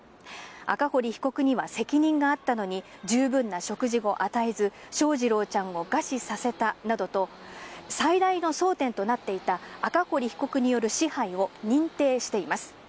赤堀被告には責任があったのに、十分な食事を与えず、翔士郎ちゃんを餓死させたなどと、最大の争点となっていた赤堀被告による支配を認定しています。